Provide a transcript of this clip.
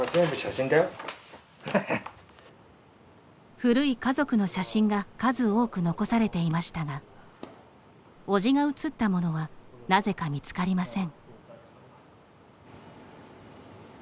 古い家族の写真が数多く残されていましたが叔父が写ったものはなぜか見つかりません。